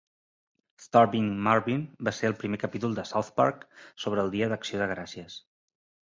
"Starvin' Marvin" va ser el primer capítol de "South Park" sobre el dia d'Acció de Gràcies.